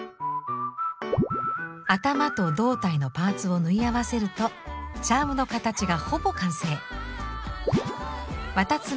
頭と胴体のパーツを縫い合わせるとチャームの形がほぼ完成。